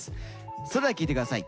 それでは聴いてください。